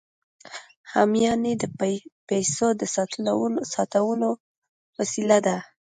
همیانۍ د پیسو د ساتلو وسیله ده